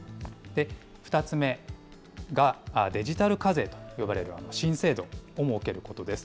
２つ目が、デジタル課税と呼ばれる新制度を設けることです。